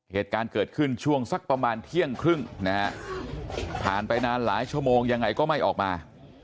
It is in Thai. เหตุการณ์เกิดขึ้นช่วงสักประมาณเที่ยงครึ่งนะฮะผ่านไปนานหลายชั่วโมงยังไงก็ไม่ออกมา